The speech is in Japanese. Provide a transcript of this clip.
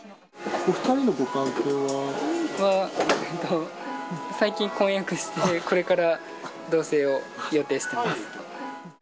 ２人のご関係は？は、最近、婚約して、これから同せいを予定してます。